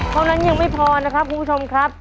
เท่านั้นยังไม่พอนะครับคุณผู้ชมครับ